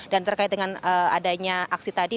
dan terkait dengan adanya aksi tadi